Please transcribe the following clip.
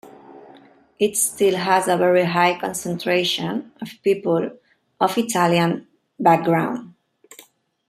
It still has a very high concentration of people of Italian background.